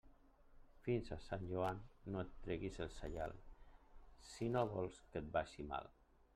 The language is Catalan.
Fins a Sant Joan no et treguis el saial, si no vols que et vagi mal.